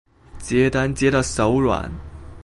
接單接到手軟